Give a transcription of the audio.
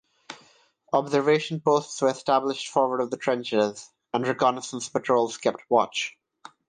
Observation posts were established forward of the trenches and reconnaissance patrols kept watch.